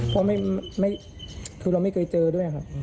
เพราะคือเราไม่เคยเจอด้วยครับ